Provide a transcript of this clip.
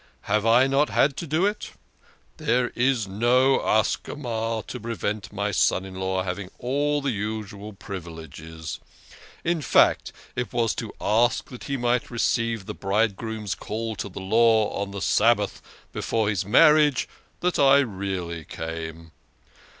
Have I not had to do it? There is no Ascama to prevent my son in law having all the usual privileges in fact, it was to ask that he might receive the bridegroom's call to the Law on the Sabbath before his marriage that I really came.